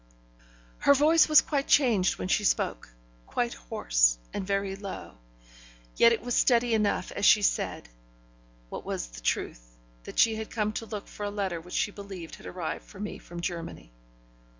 Her voice was quite changed when she spoke; quite hoarse, and very low; yet it was steady enough as she said, what was the truth, that she had come to look for a letter which she believed had arrived for me from Germany.